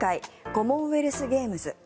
コモンウェルスゲームズ。